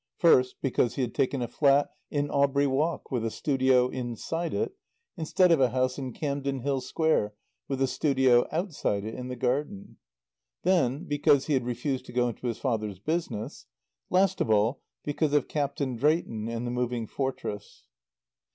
First, because he had taken a flat in Aubrey Walk, with a studio inside it, instead of a house in Campden Hill Square with a studio outside it in the garden. Then, because he had refused to go into his father's business. Last of all, because of Captain Drayton and the Moving Fortress.